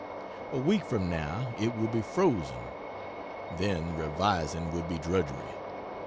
A week from now it will be frozen then revising would be drudgery.